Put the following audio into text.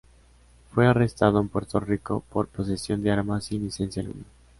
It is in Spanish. Fue arrestado en Puerto Rico por posesión de arma sin licencia alguna.